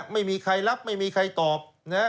ไม่มีใครรับไม่มีใครตอบ